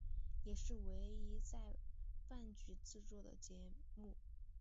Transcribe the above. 也是唯一由在阪局制作的节目。